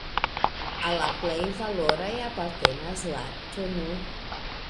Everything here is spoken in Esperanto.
Al la plej valoraj apartenas la tn.